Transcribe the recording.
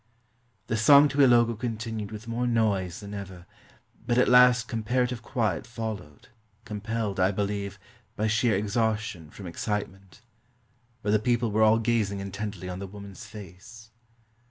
The song to Ilogo continued with more noise than ever; but at last comparative quiet followed, compelled, I believe, by sheer exhaustion from excitement. But the people were all gazing intently on the woman's face.